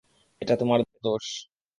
এটা তোমার দোষ।